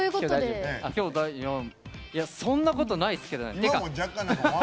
そんなことないですけどね。